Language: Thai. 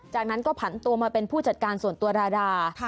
จากนั้นก็ผันตัวมาเป็นผู้จัดการส่วนตัวราดา